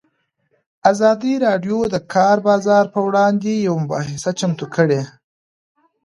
ازادي راډیو د د کار بازار پر وړاندې یوه مباحثه چمتو کړې.